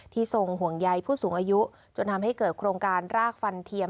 ทรงห่วงใยผู้สูงอายุจนทำให้เกิดโครงการรากฟันเทียม